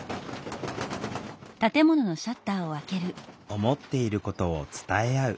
思っていることを伝え合う。